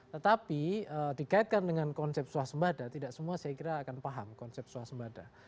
tetapi dikaitkan dengan konsep swasembada tidak semua saya kira akan paham konsep swasembada